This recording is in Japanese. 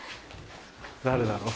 誰だろう。